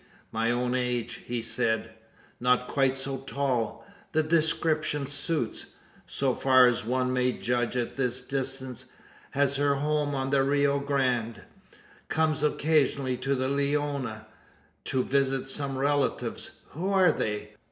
My own age, he said not quite so tall. The description suits so far as one may judge at this distance. Has her home on the Rio Grande. Comes occasionally to the Leona, to visit some relatives. Who are they?